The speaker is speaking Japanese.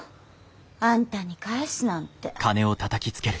あんたに返すなんて。